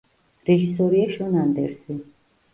რეჟისორია შონ ანდერსი.